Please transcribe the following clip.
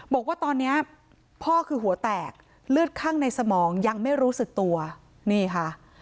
บอกว่าตอนนี้พ่อคือหัวแตกเลือดข้างในสมองยังไม่รู้สึกตัวนี่ค่ะ